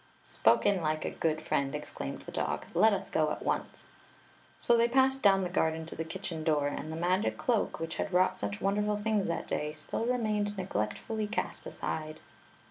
"Spoken like a good friend!" exclaimed the dog. " Let us go at once." So they passed down the garden to the kitohen door, and the magic cloak, which had wrought such wonderful things that day, still remained neglectfully cast aside.